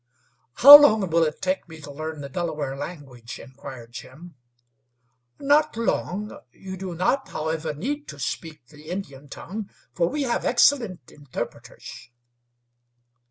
"How long will it take me to learn the Delaware language?" inquired Jim. "Not long. You do not, however, need to speak the Indian tongue, for we have excellent interpreters."